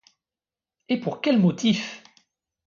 Et pour quels motifs !